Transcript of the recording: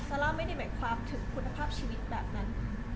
ซาร่าไม่ได้หมายความถึงคุณภาพชีวิตแบบนั้น